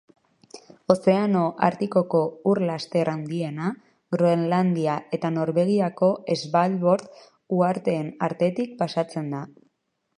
Ozeano Artikoko ur laster handiena Groenlandia eta Norvegiako Svalbord uharteen artetik pasatzen da.